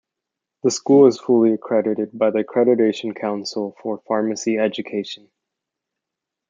The school is fully accredited by the Accreditation Council for Pharmacy Education.